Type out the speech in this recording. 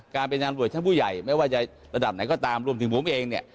การเป็นงานรวจชั้นผู้ใหญ่ไม่ว่าจะระดับไหนก็ตามรวมถึงผมเองเนี่ย